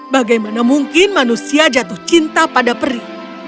bagaimana mungkin manusia jatuh cinta pada peri